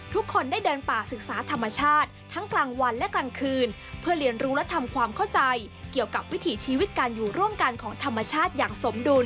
ทุกคนได้เดินป่าศึกษาธรรมชาติทั้งกลางวันและกลางคืนเพื่อเรียนรู้และทำความเข้าใจเกี่ยวกับวิถีชีวิตการอยู่ร่วมกันของธรรมชาติอย่างสมดุล